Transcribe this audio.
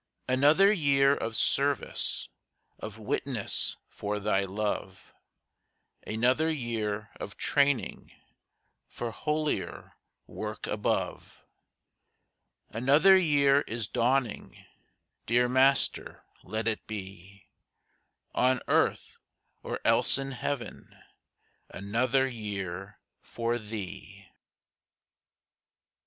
Another year of service, Of witness for Thy love; Another year of training For holier work above. Another year is dawning! Dear Master, let it be On earth, or else in heaven, Another year for Thee!